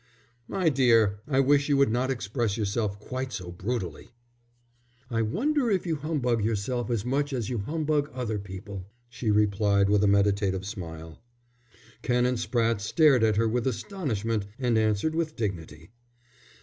"My dear, I wish you would not express yourself quite so brutally." "I often wonder if you humbug yourself as much as you humbug other people," she replied, with a meditative smile. Canon Spratte stared at her with astonishment, and answered with dignity.